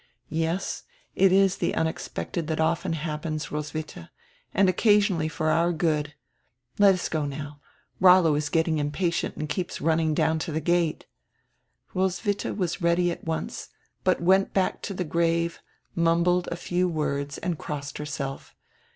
"Yes, it is the unexpected that often happens, Roswitha, and occasionally for our good. Let us go now. Rollo is getting impatient and keeps running down to the gate." Roswitha was ready at once, but went back to the grave, mumbled a few words and crossed herself.